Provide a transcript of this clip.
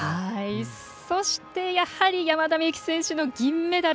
そして、やはり山田美幸選手の銀メダル。